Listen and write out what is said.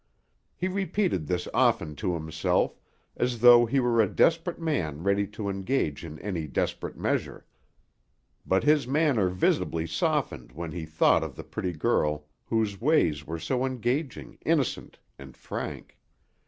He repeated this often to himself, as though he were a desperate man ready to engage in any desperate measure; but his manner visibly softened when he thought of the pretty girl whose ways were so engaging, innocent, and frank.